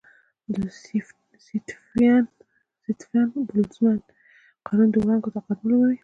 د سټیفن-بولټزمن قانون د وړانګو طاقت معلوموي.